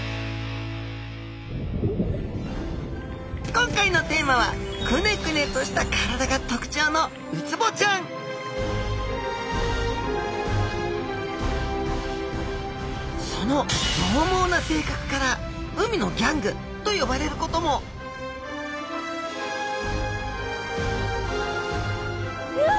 今回のテーマはくねくねとした体が特徴のウツボちゃんそのどう猛な性格から海のギャングと呼ばれることもうわ！